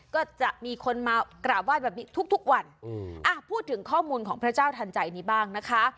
ก็จะมีคนมากราบไหว้แบบนี้ทุกทุกวันพูดถึงข้อมูลของพระเจ้าทันใจนี้บ้างนะคะ